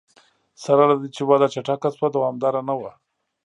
سره له دې چې وده چټکه شوه دوامداره نه وه.